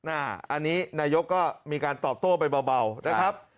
อันนี้นายกก็มีการตอบโต้ไปเบานะครับ